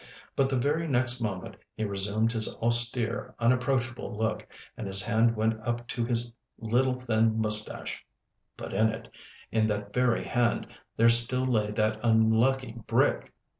But the very next moment he resumed his austere, unapproachable look, and his hand went up to his little thin moustache—but in it, in that very hand, there still lay that unlucky brick!